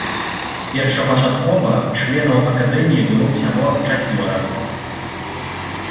Першапачаткова членаў акадэміі было ўсяго чацвёра.